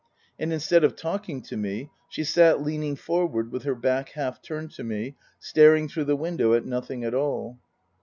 And instead of talking to me, she sat leaning forward with her back half turned to me, staring through the window at nothing at all.